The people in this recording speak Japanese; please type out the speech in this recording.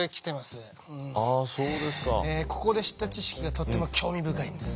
ここで知った知識がとっても興味深いんです。